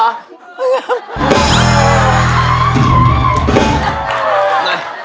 ไหน